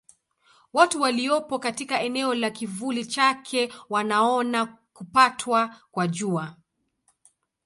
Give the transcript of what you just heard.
Watu waliopo katika eneo la kivuli chake wanaona kupatwa kwa Jua.